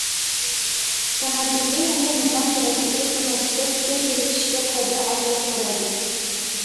tamaddunga yangi nizom kerakligi to‘g‘risida fikr yuritishga qodir avlod bo‘ladi.